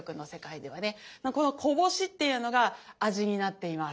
このこぼしっていうのが味になっています。